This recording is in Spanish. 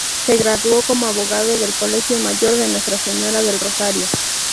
Se graduó como abogado del Colegio Mayor de Nuestra Señora del Rosario.